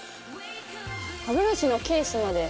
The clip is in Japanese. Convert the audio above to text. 歯ブラシのケースまで。